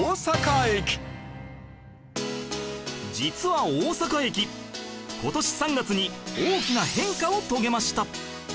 実は大阪駅今年３月に大きな変化を遂げました